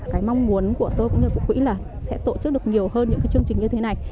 cái mong muốn của tôi cũng như của quỹ là sẽ tổ chức được nhiều hơn những cái chương trình như thế này